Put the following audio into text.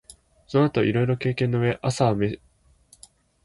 その後いろいろ経験の上、朝は飯櫃の上、夜は炬燵の上、天気のよい昼は縁側へ寝る事とした